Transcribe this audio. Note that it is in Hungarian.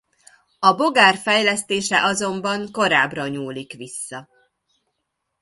A Bogár fejlesztése azonban korábbra nyúlik vissza.